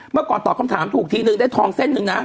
เมื่อก่อนตอบคำถามถูกทีนึงได้ทองเส้นหนึ่งนะ